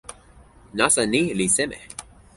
nasa ni li seme?